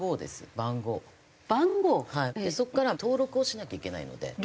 そこから登録をしなきゃいけないので。